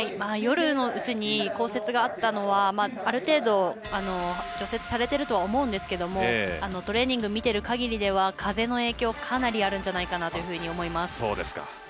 夜のうちに降雪があったのはある程度、除雪されているとは思うんですけれどもトレーニングを見ている限りは風の影響がかなりあるんじゃないかなと思います。